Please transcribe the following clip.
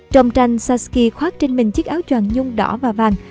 trong tranh saskia khoát trên mình chiếc áo choàng nhung đỏ và vàng